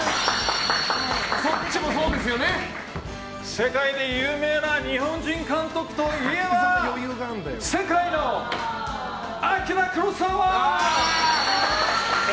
世界で有名な日本人映画監督といえば世界のアキラ・クロサワ！